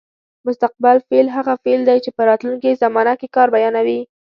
مستقبل فعل هغه فعل دی چې په راتلونکې زمانه کې کار بیانوي.